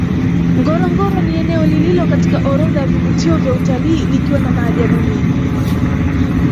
Ngorongoro ni eneo lililo katika orodha ya vivutio vya utalii likiwa na maajabu mengi